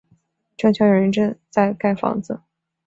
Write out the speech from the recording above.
正巧有人在盖房子